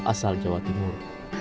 asal jawa timur